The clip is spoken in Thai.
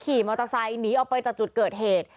ขี่มอเตอร์ไซค์หนีออกไปจากจุดเกิดเหตุ